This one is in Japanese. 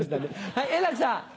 はい円楽さん。